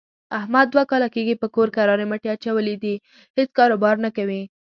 احمد دوه کاله کېږي په کور کرارې مټې اچولې دي، هېڅ کاروبار نه کوي.